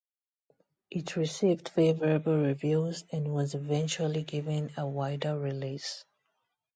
It received favorable reviews, and was eventually given a wider release.